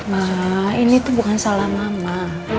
nah ini tuh bukan salah mama